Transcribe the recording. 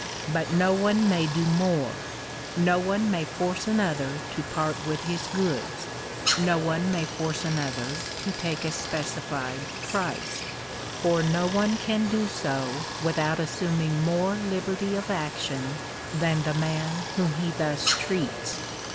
But no one may do more ; no one may force another to part with his goods; no one may force another to take a specified price; for no one can do so without assuming more liberty of action than the man whom he thus treats.